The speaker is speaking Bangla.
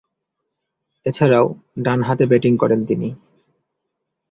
এছাড়াও ডানহাতে ব্যাটিং করেন তিনি।